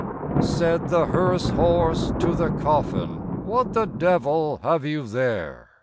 Said the hearse horse to the coffin, "What the devil have you there?